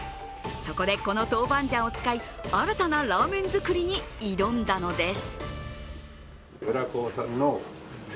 そこで、このトウバンジャンを使い新たなラーメン作りに挑んだのです。